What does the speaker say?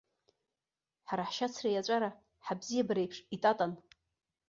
Ҳара ҳшьацра иаҵәара ҳабзиабара еиԥш итатан.